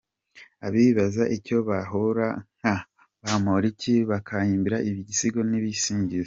Abibaza icyo babahora, nka Bamporiki, bakamuhimbira ibisigo n’ibisingizo.